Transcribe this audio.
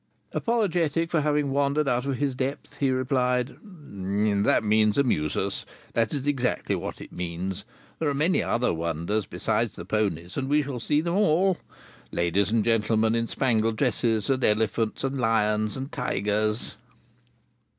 Apologetic for having wandered out of his depth, he replied: "That means, amuse us. That is exactly what it means. There are many other wonders besides the ponies, and we shall see them all. Ladies and gentlemen in spangled dresses, and elephants and lions and tigers."